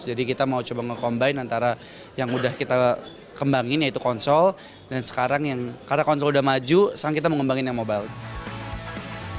jadi kita mau coba nge combine antara yang udah kita kembangin yaitu konsol dan sekarang yang karena konsol udah maju sekarang kita mau ngembangin yang mobile